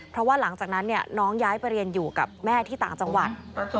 เพราะว่าหลังจากนั้นน้องย้ายไปเรียนอยู่กับแม่ที่ต่างจังหวัด